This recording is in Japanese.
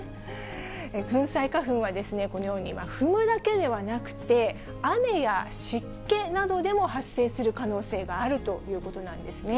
粉砕花粉はこのように、踏むだけではなくて、雨や湿気などでも発生する可能性があるということなんですね。